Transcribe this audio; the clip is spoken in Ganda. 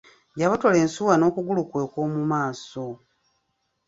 Yabotola ensuwa n'okugulu kwe okw'omu maaso.